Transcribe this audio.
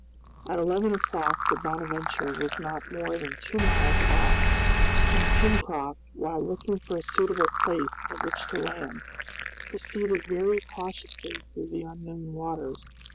At eleven o'clock the "Bonadventure" was not more than two miles off, and Pencroft, while looking for a suitable place at which to land, proceeded very cautiously through the unknown waters.